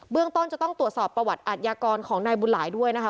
ต้นจะต้องตรวจสอบประวัติอัตยากรของนายบุญหลายด้วยนะคะ